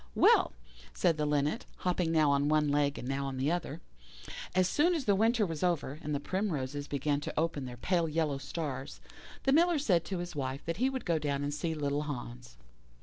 "Well," said the Linnet, hopping now on one leg and now on the other, "as soon as the winter was over, and the primroses began to open their pale yellow stars, the Miller said to his wife that he would go down and see little Hans.